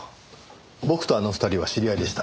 僕とあの２人は知り合いでした。